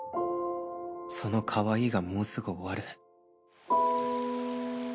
そのかわいいがもうすぐ終わる